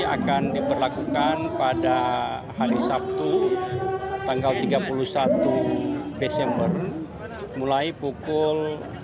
akan diberlakukan pada hari sabtu tanggal tiga puluh satu desember mulai pukul